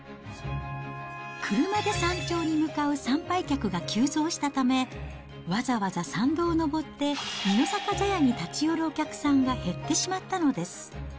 車で山頂に向かう参拝客が急増したため、わざわざ参道を上って、二の坂茶屋に立ち寄るお客さんが減ってしまったのです。